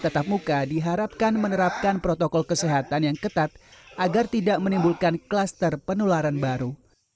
tetap muka diharapkan menerapkan protokol kesehatan yang ketat agar tidak menimbulkan kluster penularan baru